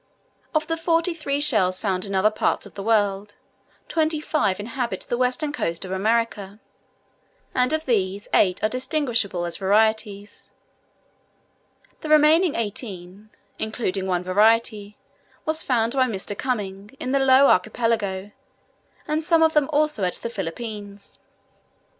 Of the forty three shells found in other parts of the world, twenty five inhabit the western coast of America, and of these eight are distinguishable as varieties; the remaining eighteen (including one variety) were found by Mr. Cuming in the Low Archipelago, and some of them also at the Philippines.